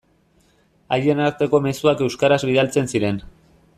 Haien arteko mezuak euskaraz bidaltzen ziren.